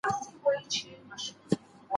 ځکه لومړی خو داسي څوک په اسانۍ نه موافق کيږي